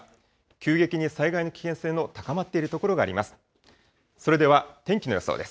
急激に災害の危険性の高まっている所があります。